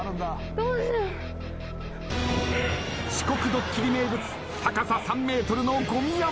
遅刻ドッキリ名物高さ３ｍのごみ山。